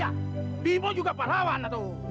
ya bimo juga pak lawan tuh